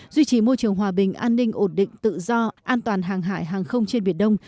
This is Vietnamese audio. duy trì môi trường hòa bình an ninh ổn định tự do an toàn hàng hải hàng không trên biển đông